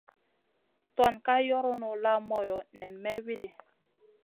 Tuan ka yoronu la moyo nen may widi.